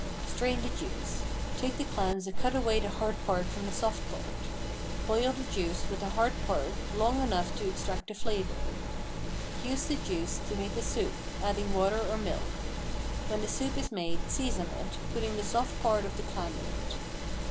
Strain the juice. Take the clams and cut away the hard part from the soft part. Boil the juice, with the hard part, long enough to extract the flavor. Use the juice to make the soup, adding water or milk. When the soup is made season it, putting the soft part of the clam in it.